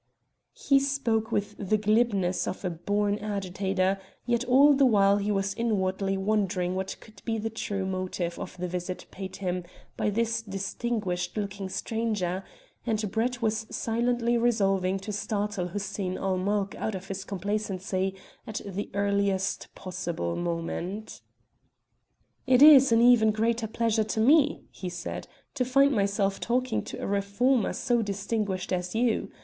He spoke with the glibness of a born agitator, yet all the while he was inwardly wondering what could be the true motive of the visit paid him by this distinguished looking stranger, and Brett was silently resolving to startle Hussein ul Mulk out of his complacency at the earliest possible moment. "It is an even greater pleasure to me," he said, "to find myself talking to a reformer so distinguished as you.